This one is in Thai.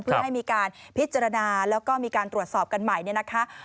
เพื่อให้มีการพิจารณาแล้วก็มีการตรวจสอบกันใหม่เนี่ยนะคะ